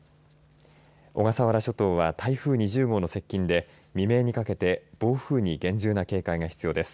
小笠原諸島は台風２０号の接近で未明にかけて暴風に厳重な警戒が必要です。